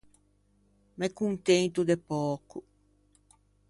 Me contento de pöco.